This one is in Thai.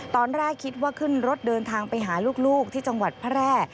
ตอนแรกคิดว่าขึ้นรถเดินทางไปหาลูกที่จังหวัดแพร่